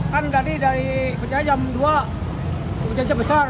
kan dari kejadian jam dua hujan besar